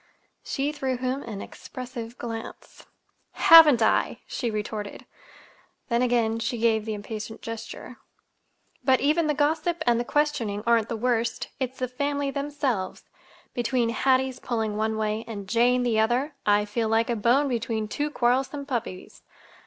She threw him an expressive glance. "Haven't I!" she retorted. Then again she gave the impatient gesture. "But even the gossip and the questioning aren't the worst. It's the family themselves. Between Hattie's pulling one way and Jane the other, I feel like a bone between two quarrelsome puppies.